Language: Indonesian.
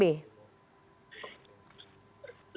lebih tepatnya sebenarnya kalimat mas ahaye tadi